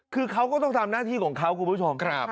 คือเขาก็ต้องทำหน้าที่ของเขาคุณผู้ชม